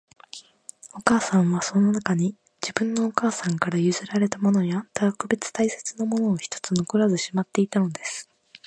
お母さんは、その中に、自分のお母さんから譲られたものや、特別大切なものを一つ残らずしまっていたのです